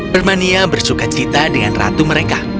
permania bersuka cita dengan ratu mereka